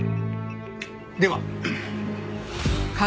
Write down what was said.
では。